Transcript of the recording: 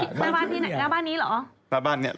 หน้าบ้านนี้ไหนหน้าบ้านนี้เหรอ